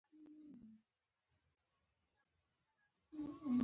مرغۍ د الوت څخه هم پېژندلی شو.